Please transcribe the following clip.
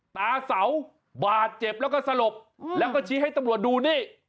ตาเสาบาดเจ็บแล้วก็สลบแล้วก็ชี้ให้ตำรวจดูนี่